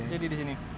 jadi di sini